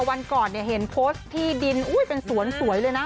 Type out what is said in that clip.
วันก่อนเห็นโพสต์ที่ดินโอ๊ยเป็นสวนสวยเลยนะ